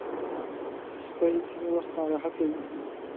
سپي ځینې وخت ناراحته وي.